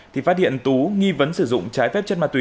thì phát hiện tú nghi vấn sử dụng trái phép chất ma túy